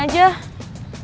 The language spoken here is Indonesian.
bagaimana hasil hari ini